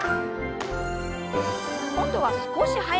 今度は少し速く。